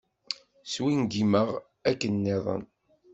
Swingimeɣ akken-nniḍen.